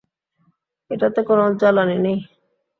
এটাতে কোনো জ্বালানি নেই।